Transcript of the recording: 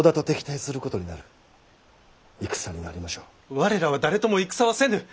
我らは誰とも戦はせぬ！